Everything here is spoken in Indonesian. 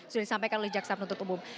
sudah disampaikan oleh jaksab nutut umum